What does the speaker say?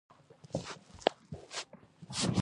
ښارونه د افغانستان د ځایي اقتصادونو بنسټ دی.